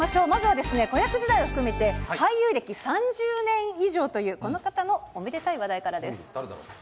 まずはですね、子役時代を含めて、俳優歴３０年以上というこの方のおめでたい話題からです。